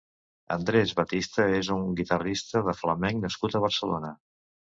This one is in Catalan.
Andrés Batista és un guitarrista de flamenc nascut a Barcelona.